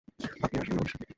আপনি আসবেন না আমাদের সাথে?